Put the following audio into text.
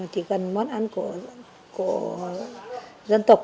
chỉ cần món ăn của dân tộc